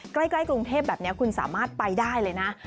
ใกล้กรุงเทพแบบนี้คุณสามารถไปได้เลยนะ